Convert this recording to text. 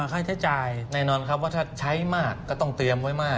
ค่าใช้จ่ายแน่นอนครับว่าถ้าใช้มากก็ต้องเตรียมไว้มาก